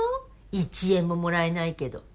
１円ももらえないけど。